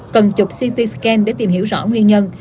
cần chụp ct scan để tìm hiểu rõ nguyên nhân